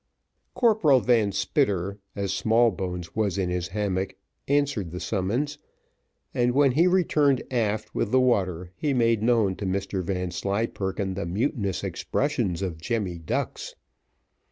Corporal Van Spitter, as Smallbones was in his hammock, answered the summons, and when he returned aft with the water, he made known to Mr Vanslyperken the mutinous expressions of Jemmy Ducks.